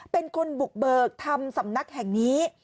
เป็นคนบุกเบิกทำสำนักแห่งนี้